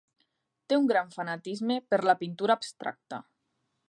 Té un gran fanatisme per la pintura abstracta.